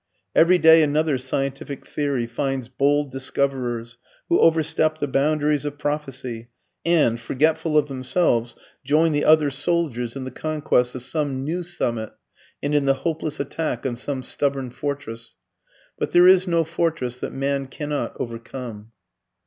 Every day another scientific theory finds bold discoverers who overstep the boundaries of prophecy and, forgetful of themselves, join the other soldiers in the conquest of some new summit and in the hopeless attack on some stubborn fortress. But "there is no fortress that man cannot overcome."